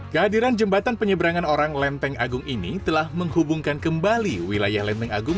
kehadiran jembatan penyeberangan orang lenteng agung ini telah menghubungkan kembali wilayah lenteng agung